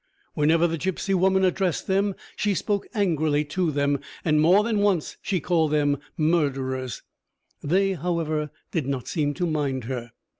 Whenever the gipsy woman addressed them, she spoke angrily to them; and more than once she called them murderers; they, however, did not seem to mind her.